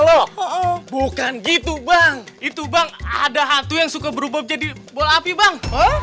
oh bukan gitu bang itu bang ada hantu yang suka berubah jadi bola api bang